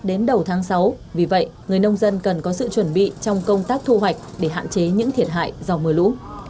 đến đầu tháng sáu vì vậy người nông dân cần có sự chuẩn bị trong công tác thu hoạch để hạn chế những thiệt hại do mưa lũ